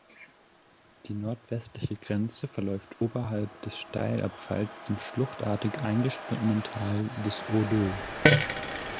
Die nordwestliche Grenze verläuft oberhalb des Steilabfalls zum schluchtartig eingeschnittenen Tal des Audeux.